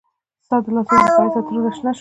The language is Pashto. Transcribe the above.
ستا د لاسونو د ښایست عطرونه شنه شوه